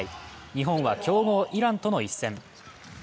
日本は強豪イランとの一戦。